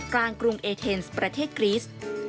กรุงเอเทนส์ประเทศกรีส